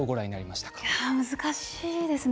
難しいですね。